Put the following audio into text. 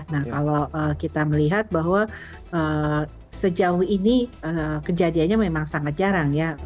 nah kalau kita melihat bahwa sejauh ini kejadiannya memang sangat jarang ya